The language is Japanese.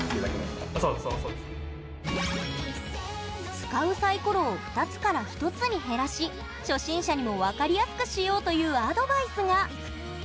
使うサイコロを２つから１つに減らし初心者にも分かりやすくしようというアドバイスが。